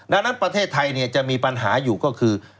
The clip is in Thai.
ดังนั้นประเทศไทยจะมีปัญหาอยู่ก็คือ